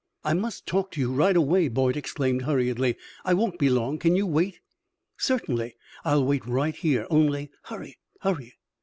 "I must talk to you right away!" Boyd exclaimed, hurriedly. "I won't be long. Can you wait?" "Certainly; I'll wait right here. Only hurry, hurry!"